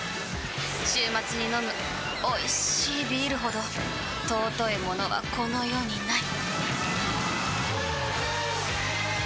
週末に飲むおいしいビールほど尊いものはこの世にない！